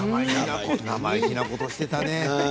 生意気なことしていたね。